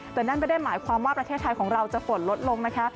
แต่นั่นไม่ได้หมายความว่าประเทศไทยของเราจะฝนลดลงนะคะ